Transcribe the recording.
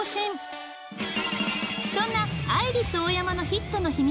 そんなアイリスオーヤマのヒットの秘密